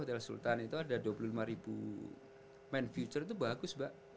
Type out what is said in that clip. ya karena men di sultan itu hotel sultan itu ada dua puluh lima ribu men future itu bagus mbak